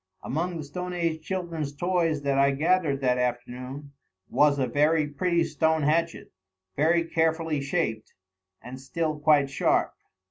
Among the stone age children's toys that I gathered that afternoon was a very pretty stone hatchet, very carefully shaped, and still quite sharp.